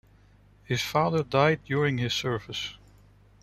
His father died during his service.